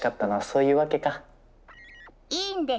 いいんです